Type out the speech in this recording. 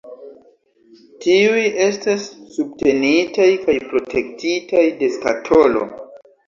Tiuj estas subtenitaj kaj protektitaj de skatolo.